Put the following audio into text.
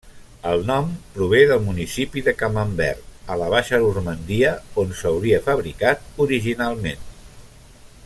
El nom prové del municipi de Camembert, a la Baixa Normandia, on s'hauria fabricat originalment.